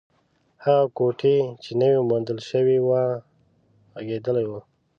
هغه کوټې چې نوې موندل شوې وه، غږېدلې وه.